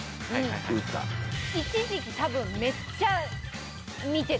一時期多分めっちゃ見てたと思う。